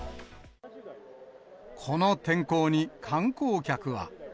この天候に、観光客は。